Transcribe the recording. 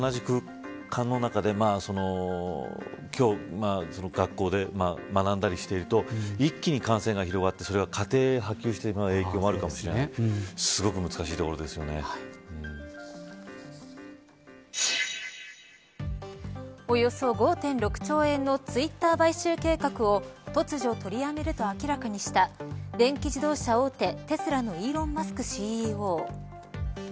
ただ、皆が同じ空間の中で学校で学んだりしていると一気に感染が広がってそれが家庭に波及していく影響があるかもしれないおよそ５．６兆円のツイッター買収計画を突如取りやめると明らかにした電気自動車大手テスラのイーロン・マスクＣＥＯ。